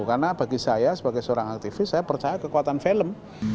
karena bagi saya sebagai seorang aktivis saya percaya kekuatan film